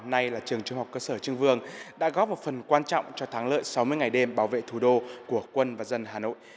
nay là trường trường học cơ sở trương vương đã góp một phần quan trọng cho tháng lợi sáu mươi ngày đêm bảo vệ thủ đô của quân và dân hà nội